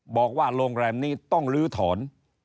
บอกว่าโรงแรมนี้ต้องลื้อถอน